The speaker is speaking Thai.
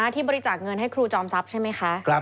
ที่บริจาคเงินให้ครูจอมทรัพย์ใช่ไหมคะ